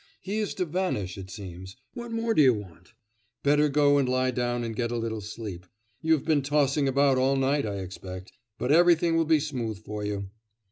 He is to vanish, it seems. What more do you want? Better go and lie down and get a little sleep; you have been tossing about all night, I expect. But everything will be smooth for you.